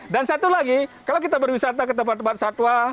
dan satu lagi kalau kita berwisata ke tempat tempat satwa